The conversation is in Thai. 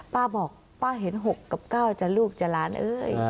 ป้าบอกป้าเห็น๖กับ๙จะลูกจะหลานเอ้ย